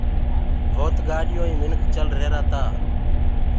ڀوت گآڏِيونٚ آئينٚ منک چل ريهرآ تآ پڇي